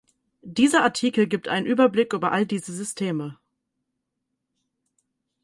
Dieser Artikel gibt einen Überblick über all diese Systeme.